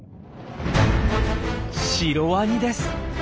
シロワニです。